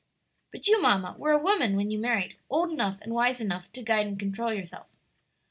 "But you, mamma, were a woman when you married, old enough and wise enough to guide and control yourself."